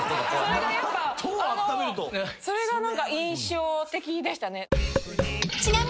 それが何か印象的でしたね。